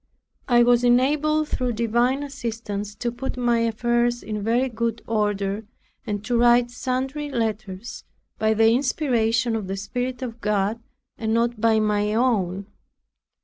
I was enabled through divine assistance, to put my affairs in very good order, and to write sundry letters by the inspiration of the Spirit of God, and not by my own.